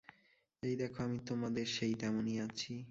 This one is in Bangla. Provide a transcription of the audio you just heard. এই দেখো, আমি তোমাদের সেই তেমনি আছি।